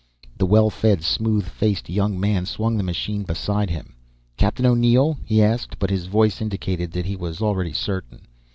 The well fed, smooth faced young man swung the machine beside him. "Captain O'Neill?" he asked, but his voice indicated that he was already certain.